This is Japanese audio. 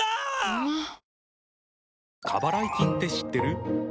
うまっ！！